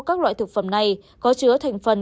các loại thực phẩm này có chứa thành phần